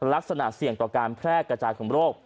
ลักษณะเสี่ยงต่อการแพร่กระจายของโรค